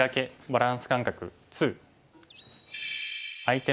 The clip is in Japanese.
バランス感覚２」。